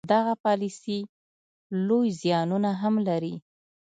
دغه پالیسي لوی زیانونه هم لري.